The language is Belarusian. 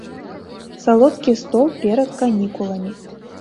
Салодкі стол перад канікуламі.